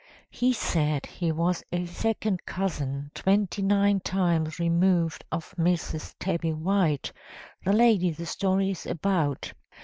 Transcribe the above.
He said he was a second cousin twenty nine times removed of Mrs. Tabby White, the lady the story is about."